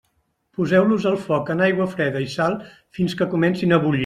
Poseu-los al foc en aigua freda i sal fins que comencin a bullir.